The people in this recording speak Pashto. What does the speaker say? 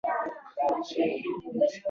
دا ائ ټي ټیم سیستمونه تازه کوي.